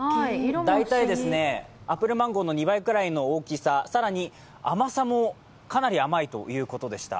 大体アップルマンゴーの２倍くらいの大きさ、更に甘さも、かなり甘いということでした。